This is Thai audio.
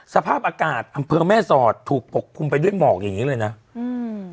สภาพอากาศอำเภอแม่สอดถูกปกคลุมไปด้วยหมอกอย่างงี้เลยนะอืม